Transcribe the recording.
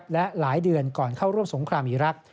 และหลายเดือนก่อนเข้าร่วมสงครามอีรักษ